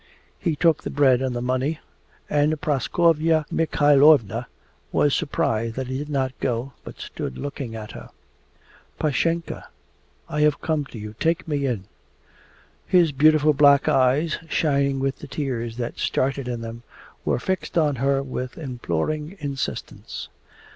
He took the bread and the money, and Praskovya Mikhaylovna was surprised that he did not go, but stood looking at her. 'Pashenka, I have come to you! Take me in...' His beautiful black eyes, shining with the tears that started in them, were fixed on her with imploring insistence.